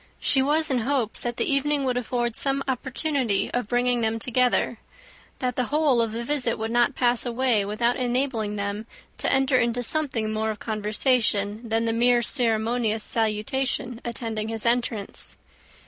She was in hopes that the evening would afford some opportunity of bringing them together; that the whole of the visit would not pass away without enabling them to enter into something more of conversation, than the mere ceremonious salutation attending his entrance.